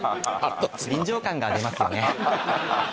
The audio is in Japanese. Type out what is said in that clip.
臨場感が出ますよね